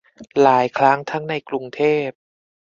หลายครั้งทั้งในกรุงเทพ